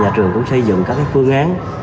nhà trường cũng xây dựng các phương án